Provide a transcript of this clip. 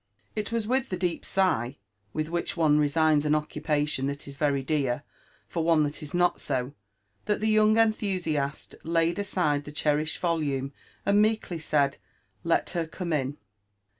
* It was with the deep sigh with which pne resigns an occupation that is very dear, for one that is not so, that the young enthusiast laid aside the cherished volume, and meekly said, *' Let her come in."